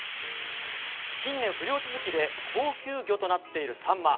近年不漁続きで高級魚となっているサンマ。